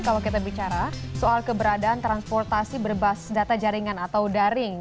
kalau kita bicara soal keberadaan transportasi berbasis data jaringan atau daring